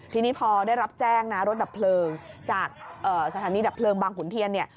ทีนี้พอได้รับแจ้งนะรถดับเพลิงจากสถานีดับเพลิงบางขุนเทียนเนี่ย